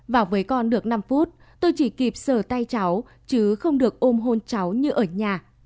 vào với con được năm phút tôi chỉ kịp sửa tay cháu chứ không được ôm hôn cháu như ở nhà